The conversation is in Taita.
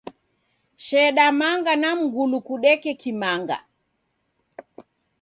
Sheda manga na mngulu kudeke Kimanga.